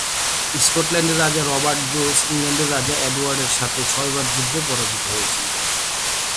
স্কটল্যান্ডের রাজা Robert Bruce ইংল্যান্ডের রাজা এডয়ার্ডের সাথে ছয়বার যুদ্ধে পরাজিত হয়েছিলেন।